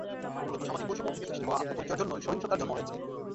মূলত সামাজিক বৈষম্য থেকে সৃষ্টি হওয়া আত্মপরিচয়ের জন্যই সহিংসতার জন্ম হচ্ছে।